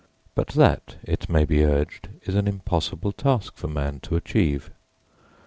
But that, it may be urged, is an impossible task for man to achieve.